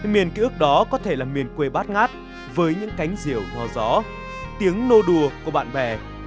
miền ký ức đó có thể là miền quê bát ngát với những cánh diều hòa gió tiếng nô đùa của bạn bè